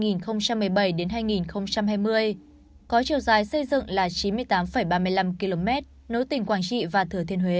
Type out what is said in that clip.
năm hai nghìn một mươi bảy đến hai nghìn hai mươi có chiều dài xây dựng là chín mươi tám ba mươi năm km nối tỉnh quảng trị và thừa thiên huế